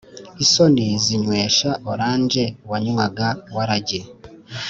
• isoni zinywesha orange wanywaga waragi